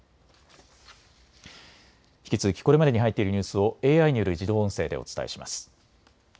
引き続きこれまでに入っているニュースをＡＩによる自動音声でお伝えします。